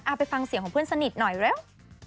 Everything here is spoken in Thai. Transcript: ไปฟังเสียงของเพื่อนสนิทหน่อยเร็ว